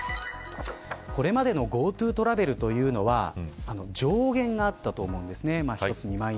これまでのＧｏＴｏトラベルは上限がなかったと思うんです。